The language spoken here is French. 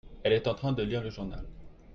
elle est en train de lire le journal.